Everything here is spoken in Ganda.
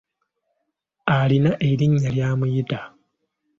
Alina erinnya ly’amuyita.